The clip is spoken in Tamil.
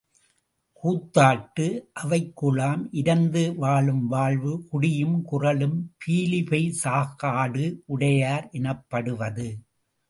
... கூத்தாட்டு அவைக்குழாம்... இரந்து வாழும் வாழ்வு... குடியும் குறளும்... பீலிபெய் சாகாடு... உடையர் எனப்படுவது?